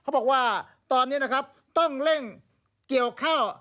บอกว่าตอนนี้นะครับต้องเร่งเกี่ยวข้าว